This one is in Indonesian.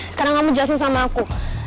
sekarang kamu justin sama aku